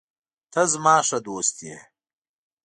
ته زما ښه دوست یې.